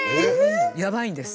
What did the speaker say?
やばいんです。